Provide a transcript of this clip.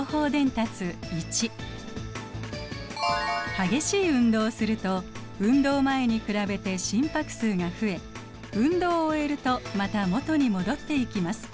激しい運動をすると運動前に比べて心拍数が増え運動を終えるとまた元に戻っていきます。